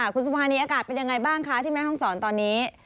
คุณสุภานีอากาศเป็นยังไงบ้างคะที่แม่ห้องศรตอนนี้